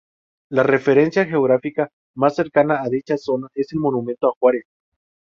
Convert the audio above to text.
La referencia geográfica más cercana a dicha zona es el Monumento a Juárez.